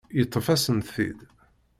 Yeṭṭef-asent-t-id.